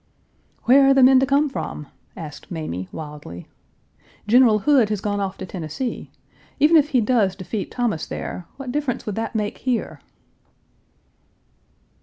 "Where are the men to come from?" asked Mamie, wildly. "General Hood has gone off to Tennessee. Even if he does defeat Thomas there, what difference would that make here?"